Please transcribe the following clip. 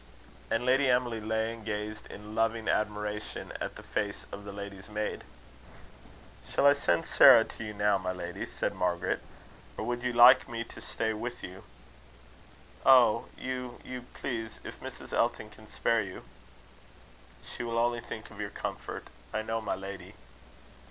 And Lady Emily lay and gazed in loving admiration at the face of the lady's maid. "Shall I send Sarah to you now, my lady?" said Margaret; "or would you like me to stay with you?" "Oh! you, you, please if Mrs. Elton can spare you." "She will only think of your comfort, I know, my lady."